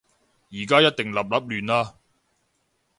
而家一定立立亂啦